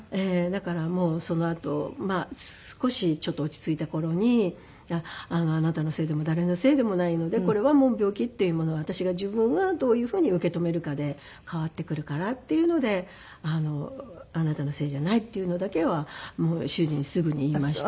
だからもうそのあと少しちょっと落ち着いた頃にあなたのせいでも誰のせいでもないので。これは病気っていうものは私が自分がどういうふうに受け止めるかで変わってくるからっていうのであなたのせいじゃないっていうのだけは主人にすぐに言いました。